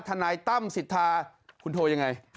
ทนายตั้มสิทธาคุณโทรยังไง